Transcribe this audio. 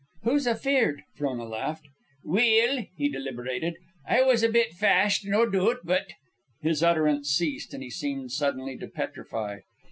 "Who's afeared ?" Frona laughed. "Weel," he deliberated, "I was a bit fashed, no doot, but " His utterance ceased, and he seemed suddenly to petrify.